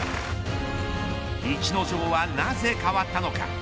逸ノ城は、なぜ変わったのか。